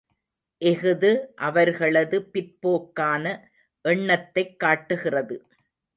இஃது அவர்களது பிற்போக்கான எண்ணத்தைக் காட்டுகிறது.